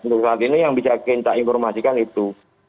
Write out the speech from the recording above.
untuk saat ini yang bisa kita informasikan itu